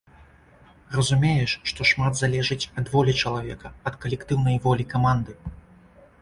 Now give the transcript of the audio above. Разумееш, што шмат залежыць ад волі чалавека, ад калектыўнай волі каманды.